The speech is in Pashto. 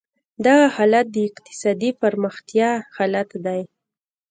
دغه حالت د اقتصادي پرمختیا حالت دی.